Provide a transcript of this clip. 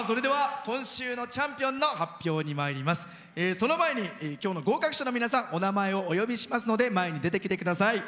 それでは今日の合格者の皆さんお名前をお呼びしますので前に出てきてください。